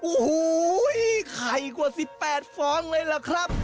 อูหูย้ไข่กว่า๑๘ฟองเลยครับ